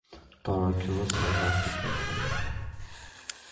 Դարագյուղը սարահարթի կենտրոնումն է։